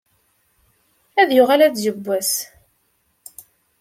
Ad yuɣal ad yeww wass.